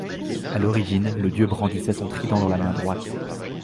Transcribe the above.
À l'origine, le dieu brandissait son trident dans la main droite.